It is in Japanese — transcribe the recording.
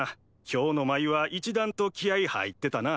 今日の舞は一段と気合い入ってたな。